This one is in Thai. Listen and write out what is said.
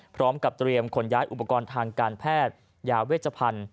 พร้อมกับเตรียมขนย้ายอุปกรณ์ทางการแพทย์ยาเวชพันธุ์